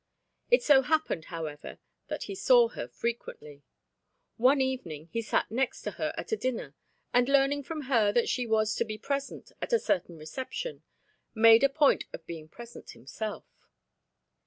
It so happened, however, that he saw her frequently. One evening he sat next to her at a dinner and learning from her that she was to be present at a certain reception, made a point of being present himself.